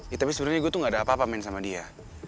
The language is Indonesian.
ya tapi sebenarnya gue tuh gak ada apa apa main sama dia